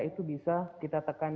itu bisa kita tekan